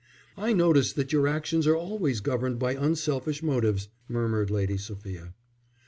"I notice that your actions are always governed by unselfish motives," murmured Lady Sophia.